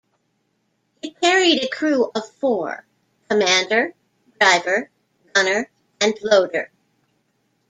It carried a crew of four: commander, driver, gunner and loader.